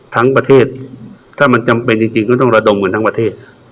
ทั้งประเทศถ้ามันจำเป็นจริงก็ต้องระดมกันทั้งประเทศ